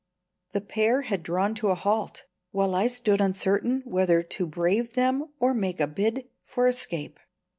The pair had drawn to a halt, while I stood uncertain whether to brave them or make a bid for escape.